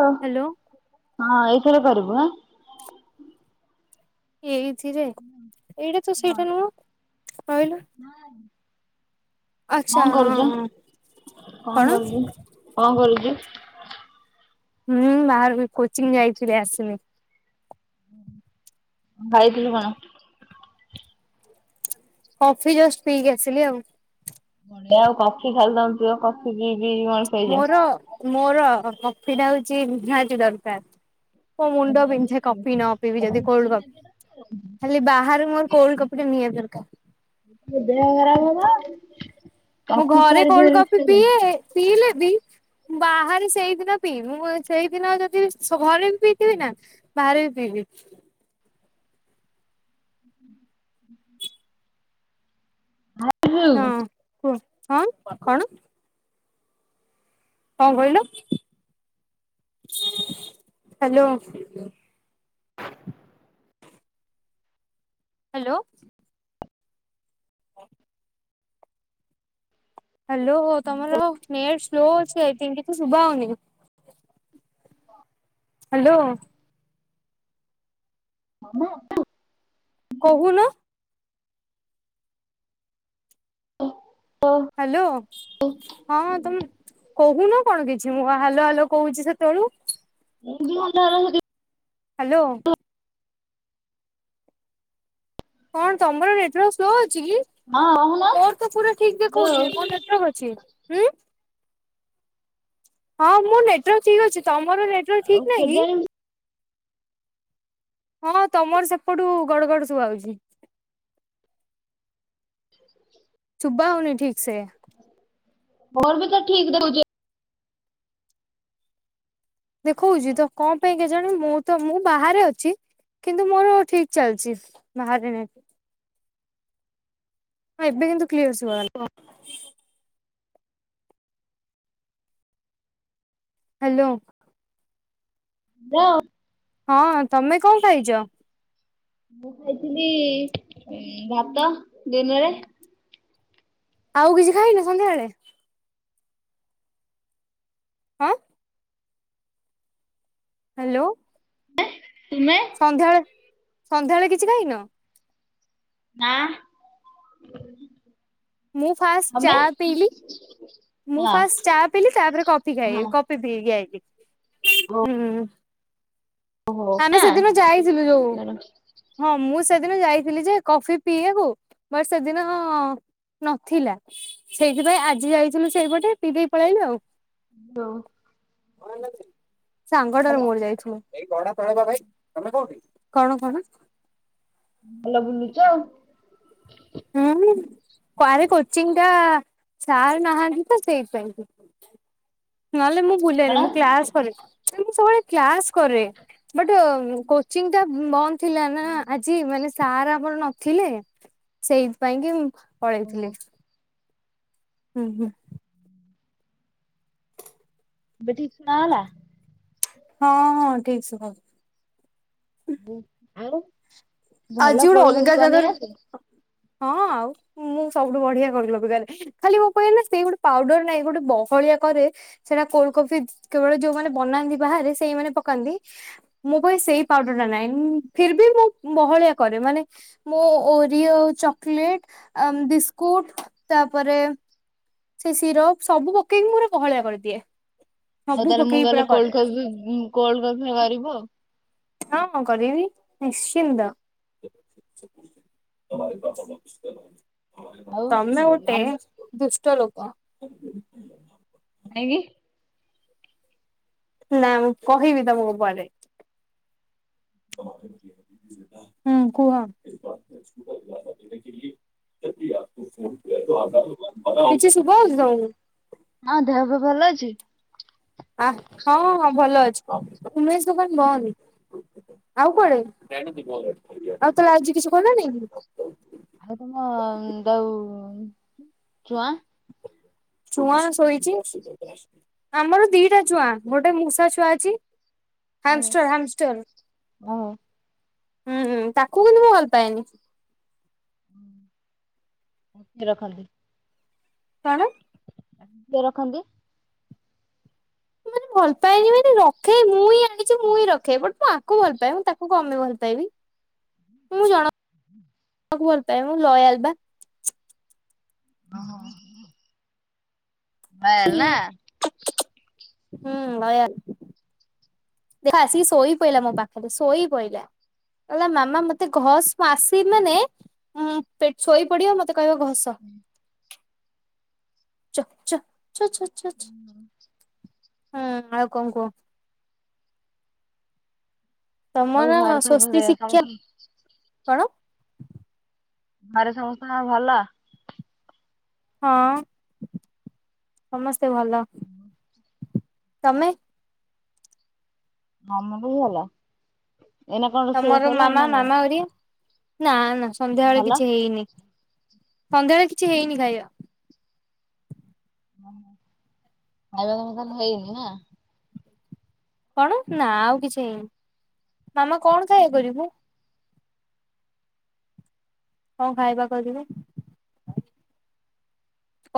ଓଃ, hello ହଁ ଏଇଥିରେ କରିବୁ ଆଁ। ଏଇଥିରେ, ଏଇଟା ତ ସେଇଟା ନୁହ, କହିଲୁ? ଆଚ୍ଛା କଣ ହଁ କରୁଛ, ହଁ କଣ କରୁଛୁ? କଣ କରୁଛୁ? ହୁଁ ବାହାରକୁ କୋଚିଂ ଯାଇଥିଲେ ଆସିଲି। ଭାଇ [unintelligible] କଫି ଜଷ୍ଟ ପିଇକି ଆସିଲି ଆଉ। ପଳିଆ ଆଉ, କଫି ଖାଲି ତମେ ପିଅ କଫି ପି ପି [unintelligible] ମୋର ମୋର କଫି ଟା ହଉଛି ନିହାତି ଦରକାର। ମୋ ମୁଣ୍ଡ ବିିନ୍ଛ କପି ନ ପି ବି ଯଦି କଲଡ କଫି ଖାଲି ବାହାରେ ମୋର କୋଲଡ କପି ନିହାତି ଦରକାର। ମୋ ଦେହ ଖରାପ ହବ? ମୁଁ କଫି ଘରେ ଛାଡିଦିଅ କୋଲଡ କଫି ରିକ୍ସରେ। ପିଏ, ପିଇଲେ ବି ବାହାରେ ସେଇଦିନ ପିଇବି, ମୁ ସେଇଦିନ ଯଦି ଘରେ ବି ପିଇଥିବି ନା ବାହାରେ ପିଇବି। ହୁଁ ଆ [unintelligible] କୁ, ହଁ, କଣ? ହଁ କହିଲ, ହ୍ୟାଲୋ। ହ୍ୟାଲୋ। ଓ ହ୍ୟାଲୋ, ତମର ନେଟ୍ ସ୍ଲୋ ଅଛି, ଆଇ ଥିଙ୍କ୍ କିଛି ଶୁଭା ହଉନି। ହ ହ୍ୟାଲୋ। [unintelligible] କହୁନୁ। ଓ ହାଲୋ। ହଁ ତମେ କହୁନ କଣ କିଛି ମୁଁ ହାଲୋ ହାଲୋ କହୁଚି ସେତେବେଳୁ? ମୁଁ ବି ଭଲ ହାଲୋ। କଣ ତମର ନେଟୱାର୍କ ସ୍ଲୋ ଅଛିକି? ମୋରତ ପୁରା ଠିକ୍ ଦେଖଉଛି ମୋର ନେଟୱର୍କ ଅଛି। ଉଁ ହଁ ମୋର ନେଟୱାର୍କ ଠିକ୍ ଅଛି ତମର ନେଟ ର ଆଉ ଠିକ୍ ନାହିଁକି? କେଜାଣି ହଁ ତମର ସେପଟୁ ଗଡ଼ଗଡ଼ ସବୁ ଆଉଚି। [inaudible] ସୁବା ହଉନି ଠିକିସେ? ମୋରବିତ ଠିକ୍ ରହୁଚି। ଦେଖୁଉଚି ତକଣ ପାଇଁ କେଜାଣ ମୁଁତ ମୁଁ ବାହାରେ ଅଛି। କିନ୍ତୁ ମୋର ଠିକ୍ ଚାଲିଚି ବାହାରେ ନେଟ ହଁଏବେ କିନ୍ତୁ କ୍ଲିୟର ସୁଭାଗଲା କୁହ। ହାଲୋ। ହାଲୋ। ହଁ ତମେ କଣ ଖାଇଛ? ମୁଁ ଖାଇଥିଲି ଭାତ ଦିନରେ ଆଉ କିଛି ଖାଇନ ସନ୍ଧ୍ୟାବେଳେ? ଅଁ। ହାଲୋ। ତୁମେ? ସନ୍ଧ୍ୟାବେଳେ ସନ୍ଧ୍ୟାବେଳେ କିଛି ଖାଇଁନ? ନା। ହୁଁ। ମୁଁ ଫାଷ୍ଟ ଚା ପିଇଲି ହଁ ମୁଁ ଫାଷ୍ଟ ଚା ପିଇଲି ତାପରେ କଫି ହଁ। ଖାଇବିି କ ଫି ପିଇକି ଆଇଲି। ଓହୋ। ଆମେ ସେଦିନ ଯାଇଥିଲୁ ଯୋଉ ହଁ ମୁଁ ସେଦିନ ଯାଇଥିଲିଯେ କଫି ପିଇବାକୁ ବଟ୍ ସେଦିନ ନଥିଲା ସେଇଥିପାଇଁ ଆଜି ଯାଇଥିଲୁ ସେଇପଟେ ପିଦେଇ ପଳିଆଇଲୁ ଆଉ। ହଁ। ସାଙ୍ଗଟାରୁ ମୋର ଯାଇଥିଲୁ। [unintelligible] ଭାଇ ତମେ କୋଉଠି କଣ କଣ? ଭଲ ବୁଲୁଚ। ହଁ ଆରେ କୋଚିଂଟା ସାର୍ ନାହାନ୍ତିତ ସେଇଥିପାଇଁ। ନହେଲେ ମୁଁ ବୁଲେନି କଣ? ମୁଁ କ୍ଲାସ୍ କରେ ମୁଁ ସବୁବେଳେ କ୍ଲାସ୍ କରେ ବଟ୍ କୋଚିଂ ଟା ବନ୍ଦ ଥିଲାନା ଆଜି ମାନେ ସାର୍ ଆମର ନଥିଲେ ସେଇଥି ପାଇଁକି ଓହୋ ପଳେଇଥିଲି। ହୁଁ ହୁଁ। [unintelligible] ହଁ ହଁ ଠିକ୍ ସେ ଖା ଆଉ ଭଲ ଆଜି ଗୋଟେ ଅଲଗା [unintelligible] ବନେଇ ଜାଗାରୁ ଆସେ? ହଁ ଆଉ ମୁଁ ସବୁଠୁ ବଢିଆ କରିିବାକୁ ଯାଏ। ଖାଲି ମୋ ପାଇଁନା ସେ ଗୋଟେ ପାଉଡର ନାଇଁ ଗୋଟେ ବହଳିଆ କରେ ସେଟା କୋଲଡ କଫି କେବଳ ଯୋଉମାନେ ବନାନ୍ତି ବାହାରେ ସେଇମାନେ ପକାନ୍ତି। ମୋ ପାଇଁ ସେଇ ପାଉଡରଟା ନାଇଁ ଫିର ବି ମୁଁ ବହଳିଆ କରେ ମାନେ ମୋ ଓରିଓ ଚକଲେଟ ଆ ବିସ୍କୁଟ ତାପରେ ସେ ସିରପ ସବୁ ପକେଇକି ମୋର କହଳିଆ କରିଦିଏ। ଆଉ ସବୁ ତାହେଲେ ମୁଁ ପକେଇକି ଗଲେ ପୁରା କୋଲଡ କରେ କଫି କୋଲଡ କଫି କରିବ ହଁ ହଁ ମୁଁ କରିମି ନିଶ୍ଚିନ୍ତ। ଆଉ ତମେ ଗୋଟେ ମାମୁଁ ଦୁଷ୍ଟ ଲୋକ। ଆଗି? ନା ମୁଁ କହିବି ତମକୁ ପରେ। ହୁଁ [inaudible] ହୁଁ କୁହ। କିଛି ଶୁଭା ଯାଉଛି ତମୁକୁ? ହଁ ଦେହ ବେହ ଭଲ ଅଛି? ହଁ ହଁ ଭଲ ଅଛିେ ଉମେଶ ଦୋକାନ ବଅନି। ଆଉ କୁଆଡେ ଆଉ ତଳେ ଆଜି କିଛି କଲନି? ଆଉ ତମ ଦୋଉ ଛୁଆ? ଛୁଆ ଶୋଇଛି। ଆମର ଦିଟା ଛୁଆ। ଗୋଟେ ମୂଷା ଛୁଆ ଅଛି। ହାମଷ୍ଟର ହାମଷ୍ଟର ଓହୋ ହୁଁଁ ହୁଁ ତାକୁ କିନ୍ତୁ ମୁଁ ଭଲ ପାଏନି। ଅଧିର କାଲି ତାଣମ୍ କିଏ ରଖନ୍ତି? ମାନେ ଭଲ ପାଏନି ମାନେ ରଖେ ମୁଇଁ କିଛି ମୁଇଁ ରଖେ ବଟ ମୁଁ ଆକୁ ଭଲ ପାଏ ମୁଁ ତାକୁ କଣପେ ଭଲ ପାଇବି। ମୁଇଁ ହୁଁଁ ହୁଁ [inaudible] ତାକୁ ଭଲପାଏ। ମୁଁ ଲୟାଲ ବା ଅହଁ ଛିଃ---ହୁଁ ଭୟଲ ସେ ଆସିକି ଶୋଇ ପଇଲା ମୋ ପାଖରେ ଶୋଇ ପଇଲା। କହିଲା ମାମା ମତେ ଘସ୍ ମୁଁ ଆସିବି ମାନେ ଉଁ ପେ ଶୋଇପଡିବ ମତେ କହିବ ଘସ୍। ତ ଚୋ ଚୋ। ଚୋଚୋଚୋ ହଁ ଆଉ କଣ କୁହ? ଆଉ ତମର ଘରେ ସବୁ ସ୍ଵସ୍ତି ଶିକ୍ଷା। ସମସ୍ତ କଣ? ଘରେ ସମସ୍ତଙ୍କର ଭଲ? ହଁ ସମସ୍ତେ ଭଲ। ତମେ? ତମ ମନକୁ ଗଲା? ଏଇନେ କଣ ରୋଷେଇବାଷ ତମର ହେଲାଣି ମାମା ନା ନାଇଁ? ମାମା ହରିଆ ନା ନା ସନ୍ଧ୍ୟାବେେଳେ ଭଲ କିଛି ହେଇନି। ସନ୍ଧ୍ୟାବେଳେ କିଛି ହେଇନି ଖାଇବା। [inaudible] କଣ ନା ଆଉ କିଛି ହେଇନି। ମାମା କଣ ଖାଇବା କରିବୁ? କଣ ଖାଇବା କରିବୁ?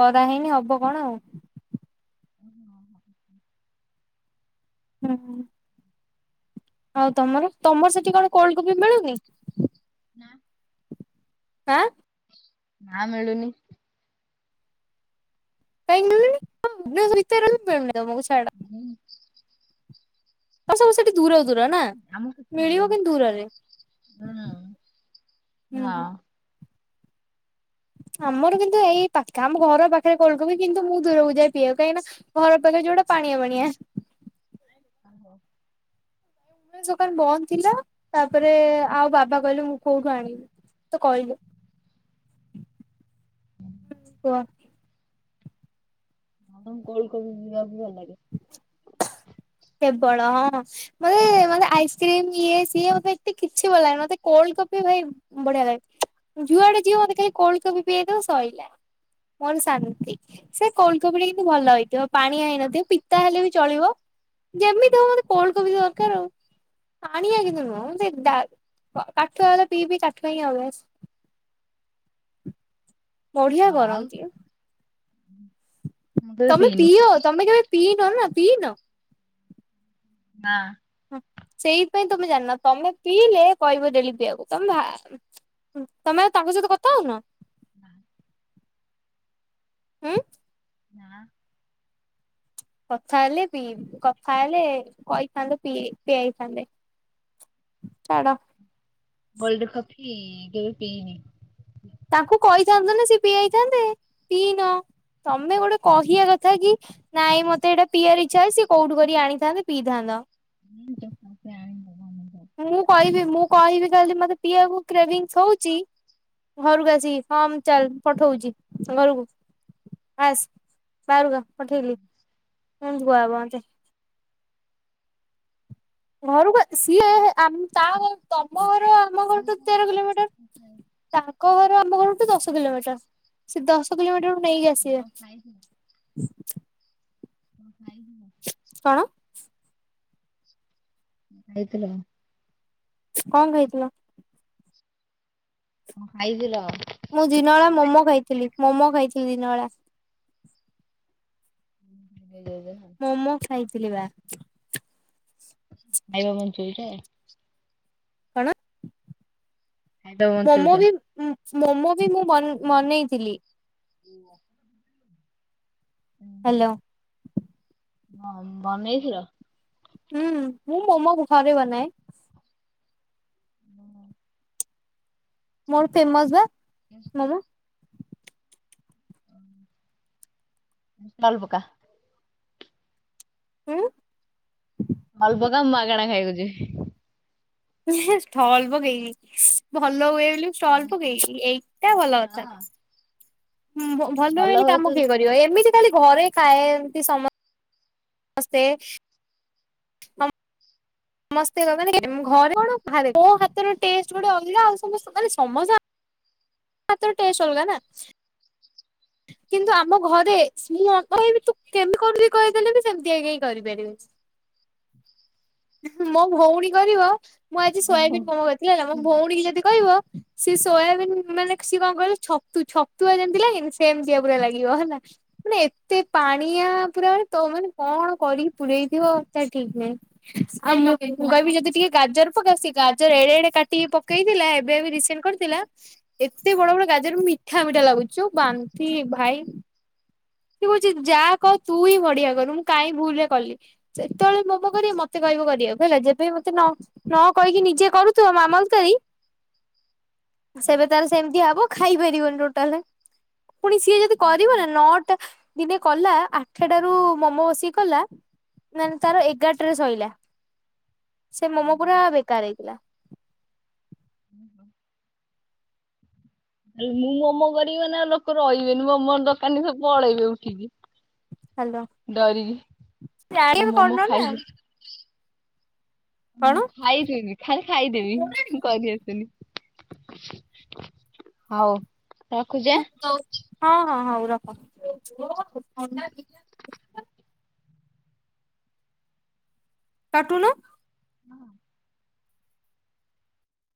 କରା ହେଇନି ହବ କଣ ଆଉ। ଓ [inaudible] ହୁଁ ହୁଁ ଆଉ ତମର ତମର ସେଠି କଣ କୋଲଡ କଫି ମିଳୁନି? ନା ଆଁ ନାଁ ମିଳୁନି ଯାଇ ମିଳୁନି [unintelligible] ହୁଁ ତମ ସବୁ ସେଠୀ ଦୂର ଦୂର ନା ହଁ ମିଳିିବ କି ଦୂର ରେ। ହଁ। ଆମର କିନ୍ତୁ ଏଇ ପାଖ ଆମ ଘର ପାଖରେ କୋଲ୍ଡ କଫି କିନ୍ତୁ ମୁଁ ଦୂରକୁ ଯାଏ ପିବାକୁ କାହିଁକି ନା ଘର ପାଖରେ ଯୋଉଟା ପାଣିଆ ପାଣିଆ [inaudible] ସୋକାନ ବନ୍ଦ ଥିଲା ତାପରେ ଆଉ ବାବା କହିଲେ ମୁଁ କୋଉଠୁ ଆଣିବି? ତ କହିଲ କୂଅ ଆ କୋଲଡ କଫି ପିିବା କୁ ଭଲ ଲାଗେ। କେବଳ ମତେ ମତେ ଆଇସ୍କ୍ରିମ ଇଏ ସିଏ ମତେ ଏତେ କିଛି ଭଲାନି ମତେ କୋଲଡ କପି ଭାଇ ବଢିଆ ଲାଗେ ଯୁଆଡେ ଯିଅ ମତେ ଖାଇ କୋଲ ପିଆଇଦବ ସରିଲା। ମୋର ଶାନ୍ତି ସେ କୋଲଡ କଫି ଟା କିନ୍ତୁ ଭଲ ହେଇଥିବ ପାଣି ହେଇନଥିବ ପି ତା ହେଲେ ବି ଚଳିବ ଯେମିତି ହବ ମତେ କୋଣ କୋବି ଦରକାର ଆଉ। ଆଣିଆ କିନ୍ତୁ ନୁହ ସେ କାଠୁଆ ପିଇ ବି କାଠୁଆ ହିଁ ଆ ବ ବଢିଆ କରନ୍ତି। ହୁଁ ତମେ ପିଅ ତମେ କେବେ ପିଇନ ନା ପିଇନ ନାଁ ହଁ ସେଇଥିପାଇ ତମେ ଜାଣିନ ତମେ ପିଇଲେ କହିବ ଡେଲି ପିଇବାକୁ ତମେ ହଁ ତମେ ଆଉ ତାଙ୍କ ସହିତ କଥା ହଉନ? ନା। ହୁଁ ନାଁ। କଥା ହେଲେ ପିଇ କଥା ହେଲେ କହିଥାନ୍ତେ ପିଇ ପିଆଇଥାନ୍ତେ। ଛାଡ଼ କୋଲଡ କଫି କେବେ ପିଇନି। ତାଙ୍କୁ କହିଥାନ୍ତେ ନା ସେ ପିଆଇଥାନ୍ତେ ପିଇନ ତମେ ଗୋଟେ କହିବା କଥା କି ନାଇଁ ମତେ ଏଟା ପିଇବାର ଇଚ୍ଛା ଅଛି ସେ କୋଉଠୁ କରି ଆଣିଥାନ୍ତ ପିଇଥାନ୍ତ। [unintelligible] ମୁଁ କହିବି ମୁଁ କହିବି କହି ମତେ ପିବାକୁ କ୍ରେଭିଙ୍ଗସ୍ ହେଉଚି। ଘରକୁ ଆସିକି ହଁ ମୁ ଚାଲ ପଠଉଛି ଘରକୁ ଆସ। ବାରୁକୁ ଆ ପଠେଇଲି ପୁଣି ଧୁଆ ହେବ ମତେ। ଘରକୁ ସିଏ ତା ତମ ଘର ଆମ ଆଉ ଘରଠୁ କଣ ତେର କିଲୋମିଟର। କଣ ତାଙ୍କ ଘର ଆମ ଘରଠୁ ଦଶ କିଲୋମିଟର ସେ ଦଶ କିଲୋମିଟରୁ ନେଇକି ଆସିବେ। ଖାଇଥିଲ କଣ ଖାଇଥିଲ? କଣ? ଖାଇଥିଲ କଣ? କଣ ଖାଇଥିଲ? କଣ ଖାଇଥିଲ? ମୁଁ ଦିନବେଳା ମୋମୋ ଖାଇଥିଲି ମୋମୋ ଖାଇଥିଲି ଦିନବେଳା। [unintelligible] ମୋମୋ ଖାଇଥିଲି ବା। [unintelligible] କଣ? ଖାଇବା ମୋମୋ ବଞ୍ଚଉଛ ବି ମୋମୋ ବି ମୁଁ ବନ ବନେଇଥିଲି। [unintelligible] ହ୍ୟାଲୋ। ହଁ ବନେଇଥିଲ? ହୁଁ, ମୁଁ ମୋମ ଘରେ ବନାଏ। ହଁ। ମୋର ଫେମସ ବା। ହୁଁ ମୋମୋ। [unintelligible] ପକା। ହୁଁ [unintelligible] ମାଗଣା ଖାଇବାକୁ [unintelligible] ଷ୍ଟଲ ପକେଇକି ଭଲ ହୁଏ ବୋଲି ଷ୍ଟଲ ପକେଇବି ଏଇଟା ଭଲ କଥା ହଁ ହୁ ଭଲ ରହିଲେ କାମ କିଏ କରିବ ଏମିତି ଖାଲି ଘରେ ଖାଏ ଏମିତି ସମସ୍ତେ ସମସ୍ତେ ହଁ ସମସ୍ତେ ମାନେ ଘରେ କଣ ବାହାରେ କଣ ବୋଉ ହାତ ର ହ ହାତ ର ଟେଷ୍ଟ ଅଲଗା ନା କିନ୍ତୁ ଆମ ଘରେ ମୁଁ କେମିତି ତୁ କହିଦେଲେ ବି ସେମିତିଆ କେହି କରିପାରି ମୋ ଭଉଣୀ କରିବ ମୁଁ ଆଜି ସୋୟାବିନ୍ ତ ମୋମୋ କରିଥିଲି ହେଲା ମୋ ଭଉଣୀ କି ଯଦି କହିବ ସେ ସୋୟାବିନ୍ ମାନେ ସିଏ କ କରେ ଛତୁ ଛତୁଆ ଯେମିତି ଲାଗେନି ସେମିତିଆ ପୁରା ଲାଗିବ ହେଲା। ମାନେ ଏତେ ପାଣିଆ ପୁରା ମାନେ ତ ମାନେ କଣ କରି ପୁରେଇ ଥିବ ତା ଠିକ ନାହିଁ। ଆଉ ମୁଁ ମୁଁ କହିବି ଯଦି ଟିକେ ଗାଜର ପକା ସେ ଗାଜର ଏଡେ ଏଡେ କାଟିକି ପକେଇଥିଲା ଏବେ ସେ ଏବେ ରିସେଣ୍ଟ କରିଥିଲା ଏତେ ବଡ ବଡ ଗାଜର ମିଠା ମିଠା ଲାଗୁଛି ଯୋଉ ବାନ୍ତି ଭାଇ ତୁ କହୁଛି ଯାହା କହ ତୁ ହିଁ ବଢିଆ କରୁ ମୁଁ କାଇ ଭୁଲରେ କଲି ସେତେବେଳେ ମୋମୋ କରି ମତେ କହିବ କରିବାକୁ ହେଲା ଯେବେ ବି ମତେ ନ ନ କହିକି ନିଜେ କରୁଥିବ ମାମଲାତ୍କାରୀ ସେବେ ତାର ସେମିତିଆ ହବ ଖାଇପାରିବନି ଟୋଟାଲେ ପୁଣି ସିଏ ଯଦି କରିବ ନା ନଅଟା ଦିନେ କଲା ଆଠଟାରୁ ମୋମୋ ବସିକି କଲା ନାଇ ତାର ଏଗାରଟରେ ଶଇଲା ସେ ମୋମୋ ପୁରା ବେକାର ହେଇଥିଲା। ହୁଁ ହୁଁ ମୁଁ ମୋମୋ କରିବି ମାନେ ଲୋକ ରହିବେନି ମୋମୋ ଦୋକାନୀ ସବୁ ପଳେଇବେ ଉଠିକି। ହ୍ୟାଲୋ ଡରିକି ମୋ ଜାଣିବେ ମୋମୋ କରୁନ ନା ଖାଇକି। ମୁଁ କଣ? ଖାଇଦେବି ଖାଲି ଖାଇଦେବି ମୁଁ କରି ହଉ ରଖୁଛି ଏ ହଁ ହଁ ହଉ ରଖ କାଟୁନୁ